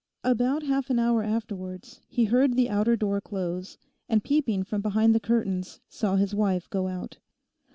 About half an hour afterwards he heard the outer door close, and peeping from behind the curtains saw his wife go out.